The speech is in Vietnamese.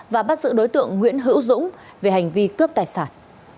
và bắt giữ đối tượng nguyễn hữu dũng về hành vi cướp tài sản